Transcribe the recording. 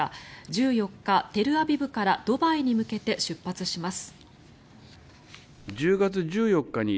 １４日、テルアビブからドバイに向けて出発します。